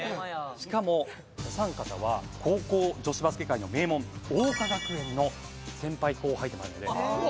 しかもお三方は高校女子バスケ界の名門桜花学園の先輩後輩でもあるのでもう。